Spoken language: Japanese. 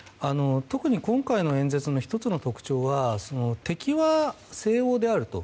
特に今回の演説の１つの特徴は敵は西欧であると。